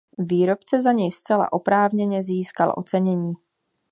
Výrobce za něj zcela oprávněně získal ocenění.